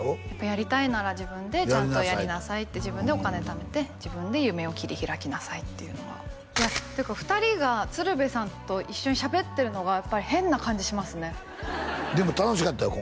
やりたいなら自分でちゃんとやりなさいって自分でお金ためて自分で夢を切り開きなさいっていやというか２人が鶴瓶さんと一緒にしゃべってるのがやっぱり変な感じしますねでも楽しかったよ